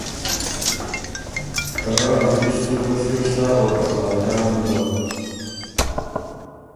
ته رۀ ا زلی سُو ګه سِر سۀ او ته خاجان ګۀ۔